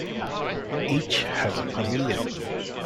Each has a pavilion.